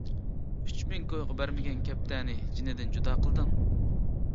ئۈچ مىڭ كويغا بەرمىگەن كەپتەرنى جېنىدىن جۇدا قىلدىڭ!